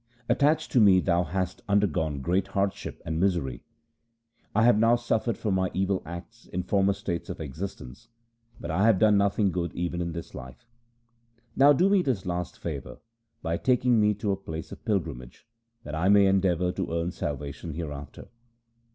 Attached to me thou hast undergone great hardship and misery. I have now suffered for my evil acts in former states of existence, but I have done nothing good even in this life. Now do me this last favour by taking me to a place of pilgrimage, that I may endeavour to earn salvation hereafter.'